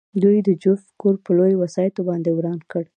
دوی د جوزف کور په لویو وسایطو باندې وران کړ